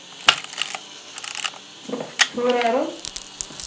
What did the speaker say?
Turareḍ?